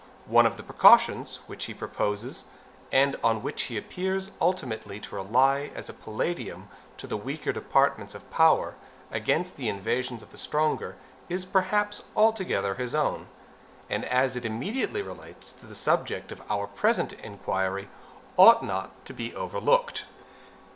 One of the precautions which he proposes, and on which he appears ultimately to rely as a palladium to the weaker departments of power against the invasions of the stronger, is perhaps altogether his own, and as it immediately relates to the subject of our present inquiry, ought not to be overlooked.